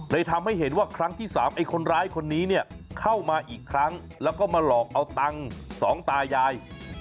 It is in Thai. ทำให้เห็นว่าครั้งที่๓ไอ้คนร้ายคนนี้เนี่ยเข้ามาอีกครั้งแล้วก็มาหลอกเอาตังค์สองตายาย